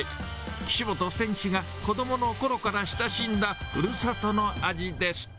岸本選手が子どものころから親しんだふるさとの味です。